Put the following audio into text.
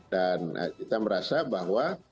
dan kita merasa bahwa